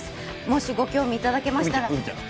もしご興味いただけましたら海ちゃん